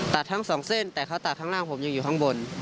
ตัดทั้งสองเส้นแต่เขาตัดทั้งล่างผมยังอยู่ข้างบน